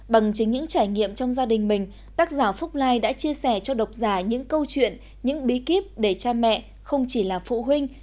bằng chính những trải nghiệm trong gia đình mình tác giả phúc lai đã chia sẻ cho độc giả những câu chuyện những bí kíp để cha mẹ không chỉ là phụ huynh